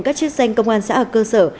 các chiếc xanh công an xã cơ sở